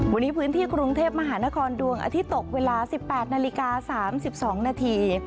วันนี้พื้นที่กรุงเทพมหานครดวงอาทิตย์ตกเวลา๑๘นาฬิกา๓๒นาที